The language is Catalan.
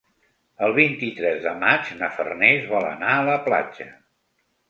El vint-i-tres de maig na Farners vol anar a la platja.